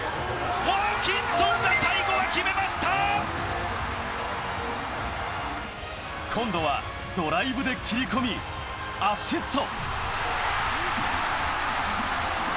ホーキンソンが、最後は決めまし今度はドライブで切り込み、アシスト。